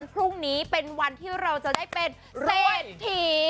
พรุ่งนี้เป็นวันที่เราจะได้เป็นเศรษฐี